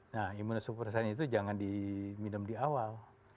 nah imunosupresan itu jangan diminum di awal